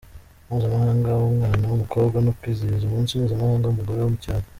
Mpuzamahanga w’Umwana w’Umukobwa no kwizihiza Umunsi Mpuzamahanga w’Umugore wo mu cyaro.